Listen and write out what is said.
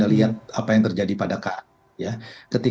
dan ada di situ alternatif insentif